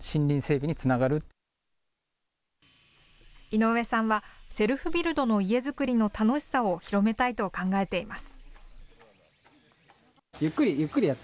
井上さんはセルフビルドの家づくりの楽しさを広めたいと考えています。